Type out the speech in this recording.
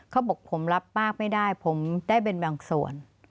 เขาบอกผมรับปากไม่ได้ผมได้เป็นบางส่วน